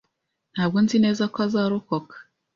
Ntabwo nzi neza ko azarokoka.